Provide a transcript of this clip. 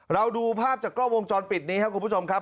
เราดูภาพจากกล้องวงจรปิดนี้ครับคุณผู้ชมครับ